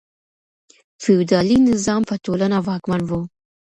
فیوډالي نظام په ټولنه واکمن و.